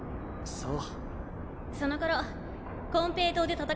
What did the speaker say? そう。